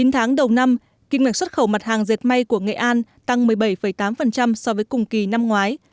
chín tháng đầu năm kinh ngạch xuất khẩu mặt hàng dệt may của nghệ an tăng một mươi bảy tám so với cùng kỳ năm ngoái